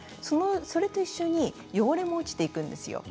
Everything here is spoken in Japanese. それと一緒に汚れも落ちていくんですよ。